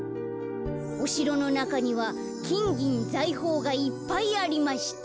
おしろのなかにはきんぎんざいほうがいっぱいありました」。